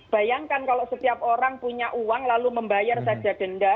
bayangkan kalau setiap orang punya uang lalu membayar saja denda